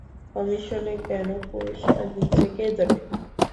Commissioner কেন পুরষ্কার দিচ্ছে কে জানে।